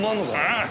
ああ。